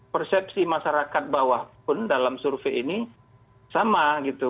persepsi masyarakat bawah pun dalam survei ini sama gitu